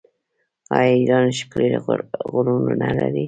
آیا ایران ښکلي غرونه نلري؟